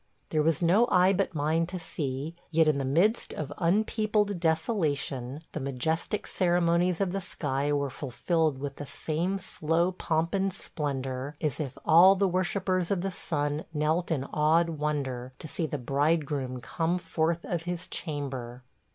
There was no eye but mine to see, yet in the midst of unpeopled desolation the majestic ceremonies of the sky were fulfilled with the same slow pomp and splendor as if all the worshippers of the Sun knelt in awed wonder to see the Bridegroom come forth of his chamber.